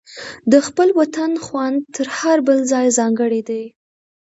د خپل وطن خوند تر هر بل ځای ځانګړی دی.